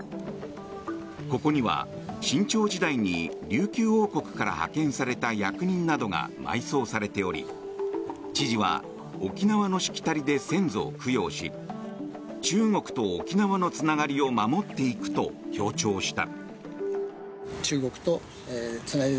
ここには清朝時代に琉球王国から派遣された役人などが埋葬されており知事は沖縄のしきたりで先祖を供養し中国と沖縄のつながりを守っていくと強調した。